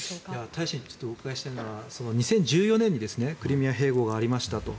大使にお伺いしたいのは２０１４年にクリミア併合がありましたと。